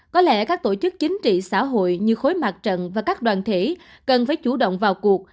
có lẽ các tổ chức chính trị xã hội như khối mặt trận và các đoàn thể cần phải chủ động vào cuộc